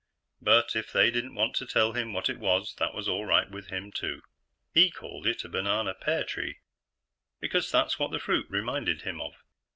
But, if they didn't want to tell him what it was, that was all right with him, too. He called it a banana pear tree. Because that's what the fruit reminded him of.